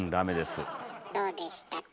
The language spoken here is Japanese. どうでしたか？